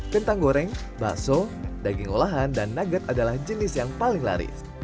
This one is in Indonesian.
kentang goreng bakso daging olahan dan nugget adalah jenis yang paling laris